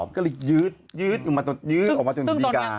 ก็เลยยืดยืดออกมาจนถึงดีการ